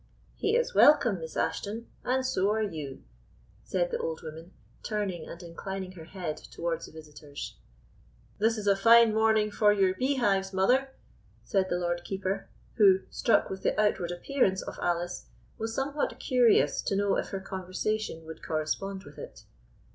"He is welcome, Miss Ashton, and so are you," said the old woman, turning and inclining her head towards her visitors. "This is a fine morning for your beehives, mother," said the Lord Keeper, who, struck with the outward appearance of Alice, was somewhat curious to know if her conversation would correspond with it.